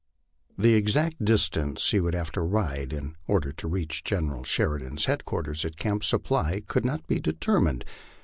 The exact distance he would have to ride in or der to reach General Sheridan's headquarters at Camp Supply could not be determined.